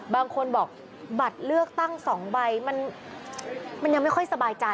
บางคนบอกบัตรเลือกตั้ง๒ใบมันยังไม่ค่อยสบายใจ